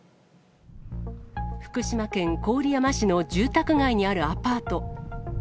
福島県郡山市の住宅街にあるアパート。